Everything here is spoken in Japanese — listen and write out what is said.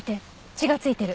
血が付いてる。